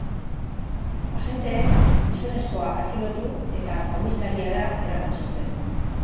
Agenteek gizonezkoa atxilotu, eta komisariara eraman zuten.